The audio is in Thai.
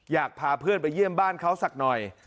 อยากพาเพื่อนไปเยี่ยมบ้านเขาสักหน่อย